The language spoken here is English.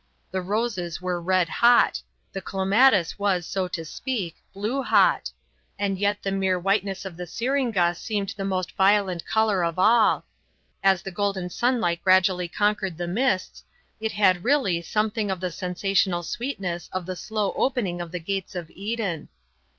The roses were red hot; the clematis was, so to speak, blue hot. And yet the mere whiteness of the syringa seemed the most violent colour of all. As the golden sunlight gradually conquered the mists, it had really something of the sensational sweetness of the slow opening of the gates of Eden.